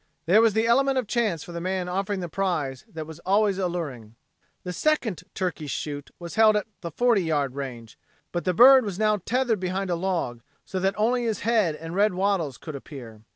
There was the element of chance for the man offering the prize that was always alluring. The second turkey shoot was held at the forty yard range. But the bird was now tethered behind a log, so that only his head and red wattles could appear.